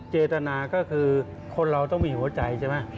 เจตนาก็คือคนเราต้องมีหัวใจใช่ไหม